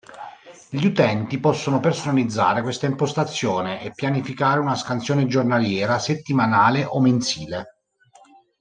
Gli utenti possono personalizzare questa impostazione e pianificare una scansione giornaliera, settimanale o mensile.